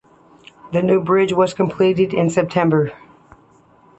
The new bridge was completed in September.